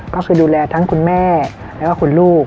ก็คือดูแลทั้งคุณแม่แล้วก็คุณลูก